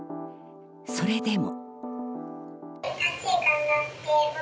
それでも。